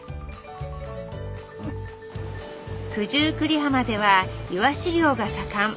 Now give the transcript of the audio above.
九十九里浜ではいわし漁が盛ん。